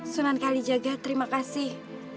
sunan kalejaga terima kasih